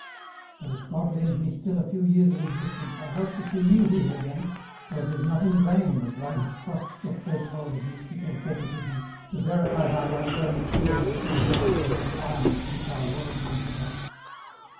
But if God lend me still a few years of existence I hope EN ROUTE. 307 to see you here again, for it is not in vain that one has crossed the threshold of mystic asceticism, to verify by one's own experience the reahty of the requirements which our Lord brings about.